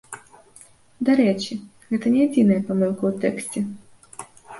Дарэчы, гэта не адзіная памылка ў тэксце.